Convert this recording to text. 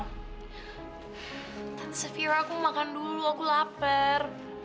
tansevier aku makan dulu aku lapar